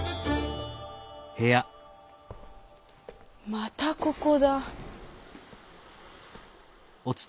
またここだ！